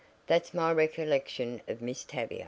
That's my recollection of Miss Tavia."